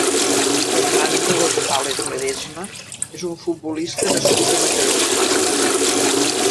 Fernando González Ledesma és un futbolista nascut a Mataró.